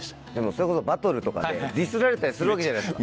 それこそバトルとかでディスられたりするわけじゃないですか。